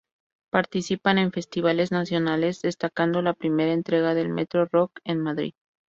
Participan en festivales nacionales, destacando la primera entrega del "Metro Rock" en Madrid.